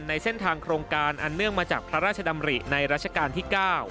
ในเส้นทางโครงการอันเนื่องมาจากพระราชดำริในรัชกาลที่๙